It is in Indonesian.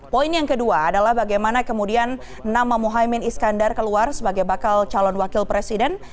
poin yang kedua adalah bagaimana kemudian nama muhaymin iskandar keluar sebagai bakal calon wakil presiden